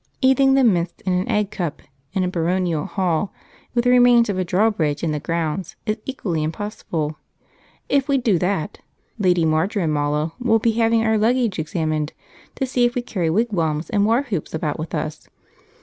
Eating them minced in an egg cup, in a baronial hall, with the remains of a drawbridge in the grounds, is equally impossible; if we do that, Lady Marjorimallow will be having our luggage examined, to see if we carry wigwams and war whoops about with us.